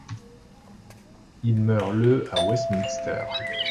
Il meurt le à Westminster.